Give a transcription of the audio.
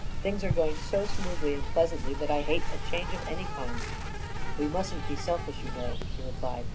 Things are going so smoothly and pleasantly that I hate a change of any kind." "We mustn't be selfish, you know," she replied.